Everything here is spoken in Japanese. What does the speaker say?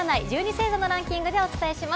星座のランキングでお伝えします。